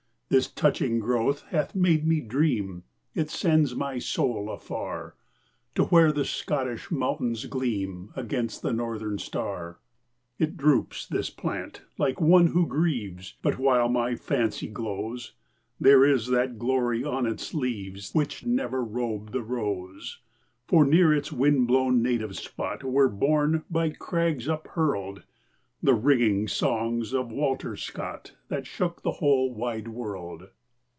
This touching growth hath made me dream It sends my soul afar To where the Scottish mountains gleam Against the Northern star. It droops this plant like one who grieves; But, while my fancy glows, There is that glory on its leaves Which never robed the rose. For near its wind blown native spot Were born, by crags uphurled, The ringing songs of Walter Scott That shook the whole wide world.